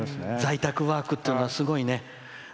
在宅ワークっていうのはすごいね。